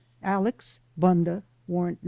Alex. Bunda (Warrant No.